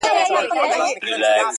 د خلګو د ژړاګانو په بدرګه